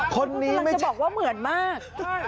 คนนี้ไม่ใช่คุณกำลังจะบอกว่าเหมือนมาก